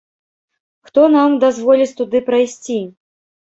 Хто нам дазволіць туды прайсці?